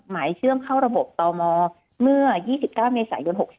หมายเชื่อมเข้าระบบตมเมื่อ๒๙เมษายน๖๔